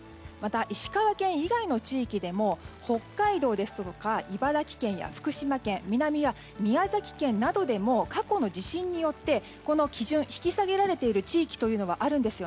また、石川県以外の地域でも北海道ですとか、茨城県や福島県南は宮崎県などでも過去の地震によって基準が引き下げられている地域があります。